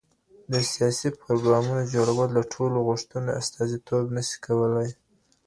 د سياسي پروګرامونو جوړول د ټولو غوښتنو استازيتوب نسي کولای.